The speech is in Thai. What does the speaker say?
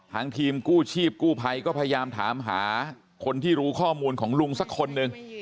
ทางทีมกู้ชีพกู้ภัยก็พยายามถามหาคนที่รู้ข้อมูลของลุงสักคนหนึ่ง